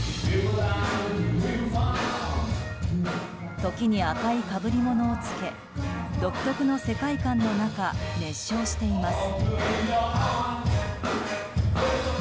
時に赤い被り物をつけ独特の世界観の中熱唱しています。